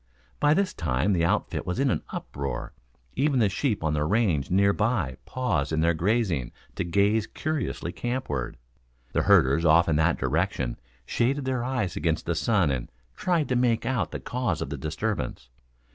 By this time the outfit was in an uproar. Even the sheep on the range near by paused in their grazing to gaze curiously campward; the herders off in that direction shaded their eyes against the sun and tried to make out the cause of the disturbance.